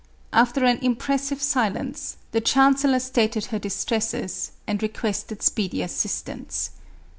After an impressive silence, the chancellor stated her distresses and requested speedy assistance.